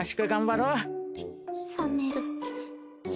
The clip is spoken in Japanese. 頑張ろう！